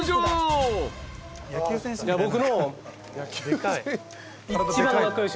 僕の。